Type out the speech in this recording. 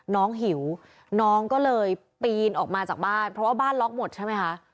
หิวน้องก็เลยปีนออกมาจากบ้านเพราะว่าบ้านล็อกหมดใช่ไหมคะ